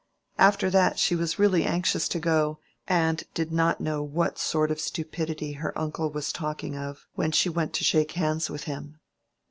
After that, she was really anxious to go, and did not know what sort of stupidity her uncle was talking of when she went to shake hands with him.